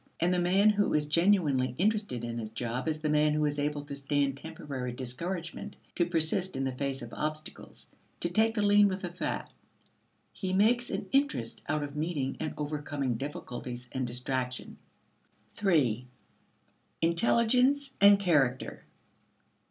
And the man who is genuinely interested in his job is the man who is able to stand temporary discouragement, to persist in the face of obstacles, to take the lean with the fat: he makes an interest out of meeting and overcoming difficulties and distraction. 3. Intelligence and Character.